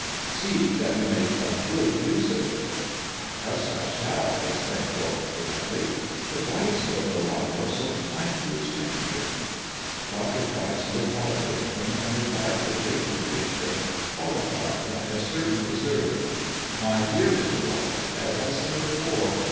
See that you make a good use of it." " I trust I shall," exclaimed Warwick fervently. " But why is Lord Lelanro so kind to a stranger 1 " Dr. Pryce looked oddly at him, and replied with great conviction, qualified by a certain reserve :" My dear Mr. Warwick, as I said before.